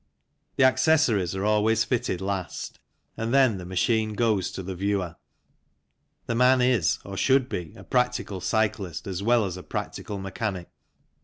The accessories are always fitted last, and then the machine goes to the viewer. This man is, or should be, a practical cyclist as well as a practical mechanic.